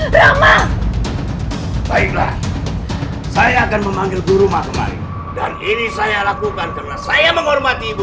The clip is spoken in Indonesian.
ramah baiklah saya akan memanggil guru matemari dan ini saya lakukan karena saya menghormati ibu